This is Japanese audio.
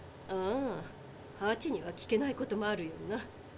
ああハチには聞けないこともあるよな。